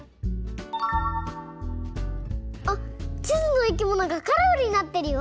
あっちずのいきものがカラフルになってるよ。